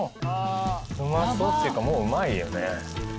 うまそうっていうかもううまいよね。